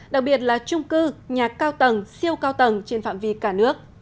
đặc biệt là trung cư nhà cao tầng siêu cao tầng trên phạm vi cả nước